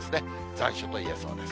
残暑といえそうです。